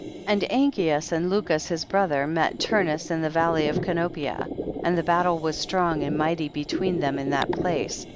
20. And Angeas and Lucus his brother met Turnus in the valley of Canopia, and the battle was strong and mighty between them in that place.